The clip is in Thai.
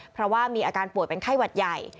เพราะว่ามีอาการป่วยเป็นไข้หวัดใหญ่